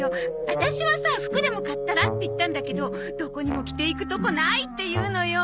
アタシはさ服でも買ったら？って言ったんだけどどこにも着ていくとこないって言うのよ。